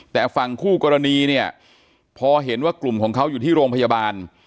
แต่ฝั่งคู่กรณีเนี่ยพอเห็นว่ากลุ่มของเขาอยู่ที่โรงพยาบาล